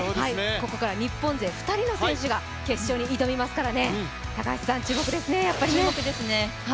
ここから日本勢２人の選手が決勝に挑みますから注目ですね、やっぱりね。